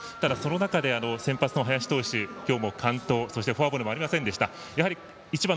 ただ、その中で先発の林投手完投、そしてフォアボールもありませんでした。